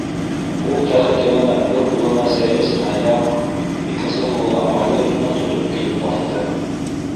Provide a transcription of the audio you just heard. Ул тәхет янына бер ҡулына сәйле сынаяҡ, икенсе ҡулына майлы икмәк тотоп килеп баҫты.